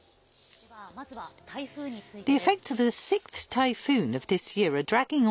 では、まずは台風についてです。